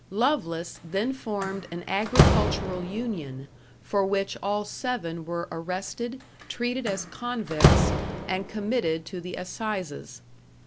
Loveless then formed an agricultural union, for which all seven were arrested, treated as convicts, and committed to the assizes.